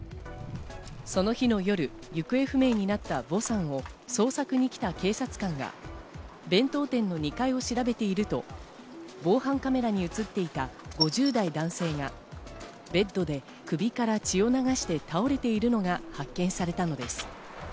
その日の夜、行方不明になったヴォさんを捜索に来た警察官が弁当店の２階を調べていると防犯カメラに映っていた５０代男性がベッドで首から血を流して倒れているのが発見されたのです。